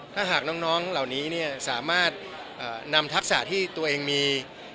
ถ้าหากน้องเหล่านี้สามารถนำทักษะที่ตัวเองมี